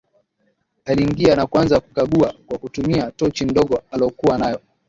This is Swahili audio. Aliingia na kuanza kukagua kwa kutumia tochi ndogo alokua nayo